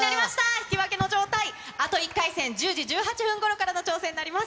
引き分けの状態、あと１回戦、１０時１８分ごろからの挑戦になります。